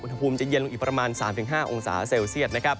อุณหภูมิจะเย็นลงอีกประมาณ๓๕องศาเซลเซียต